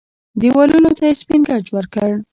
دېوالونو ته يې سپين ګچ ورکړ.